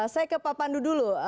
saya ke pak pandu dulu